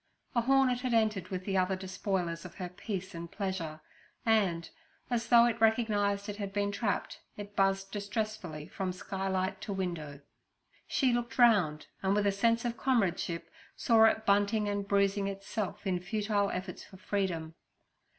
A hornet had entered with the other despoilers of her peace and pleasure, and, as though it recognised it had been trapped, it buzzed distressfully from skylight to window. She looked round, and with sense of comradeship saw it bunting and bruising itself in futile efforts for freedom.